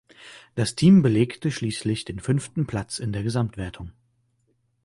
Das Team belegte schließlich den fünften Platz in der Gesamtwertung.